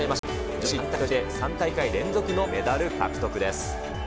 女子団体として３大会連続のメダル獲得です。